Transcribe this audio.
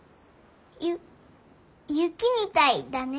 ゆ雪みたいだね。